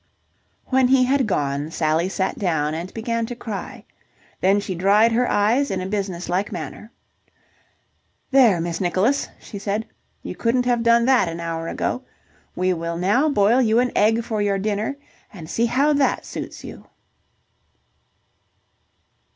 When he had gone. Sally sat down and began to cry. Then she dried her eyes in a business like manner. "There, Miss Nicholas!" she said. "You couldn't have done that an hour ago... We will now boil you an egg for your dinner and see how that suits you!"